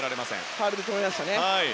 ファウルで止めましたね。